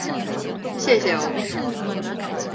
谢谢哦